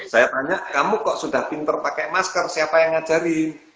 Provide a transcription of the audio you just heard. saya tanya kamu kok sudah pinter pakai masker siapa yang ngajarin